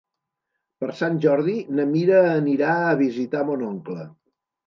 Per Sant Jordi na Mira anirà a visitar mon oncle.